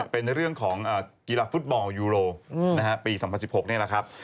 เป็นเรื่องของกีฬาฟุตบอลยูโรปี๒๐๑๖นี่แหละครับ